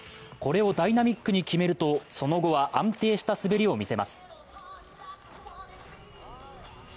これをダイナミックに決めるとその後は安定した滑りを見せます。